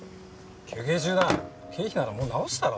休憩中だ経費ならもう直したろ。